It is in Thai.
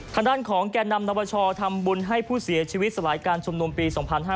ทางด้านของแก่นำนวชทำบุญให้ผู้เสียชีวิตสลายการชุมนุมปี๒๕๕๙